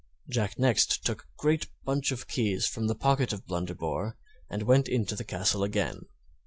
Jack next took a great bunch of keys from the pocket of Blunderbore and went into the castle again.